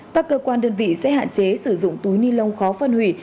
các cơ quan đơn vị sẽ hạn chế sử dụng túi ni lông khó phân hủy